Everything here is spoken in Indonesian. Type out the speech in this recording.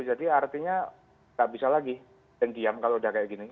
jadi artinya nggak bisa lagi yang diam kalau udah kayak gini